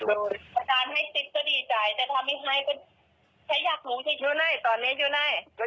อยู่ไหนตอนนี้อยู่ไหน